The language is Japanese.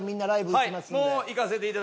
いきます。